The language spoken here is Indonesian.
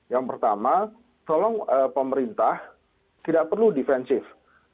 yang pertama tolong pemerintah tidak perlu defensif